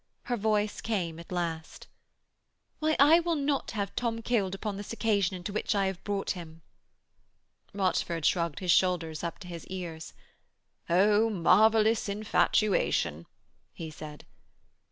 Her voice came at last: 'Why, I will not have Tom killed upon this occasion into which I brought him.' Rochford shrugged his shoulders up to his ears. 'Oh marvellous infatuation,' he said.